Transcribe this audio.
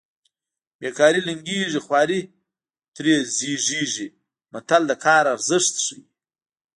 بې کاري لنګېږي خواري ترې زېږېږي متل د کار ارزښت ښيي